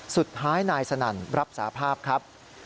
สุดท้ายนายสนั่นรับสาภาพครับ